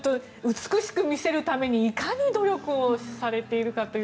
美しく見せるためにいかに努力をされているか。